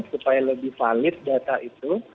supaya lebih valid data itu